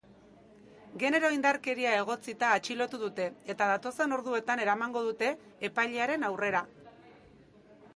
Genero-indarkeria egotzita atxilotu dute, eta datozen orduetan eramango dute epailearen aurrera.